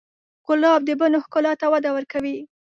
ګلاب د بڼو ښکلا ته وده ورکوي.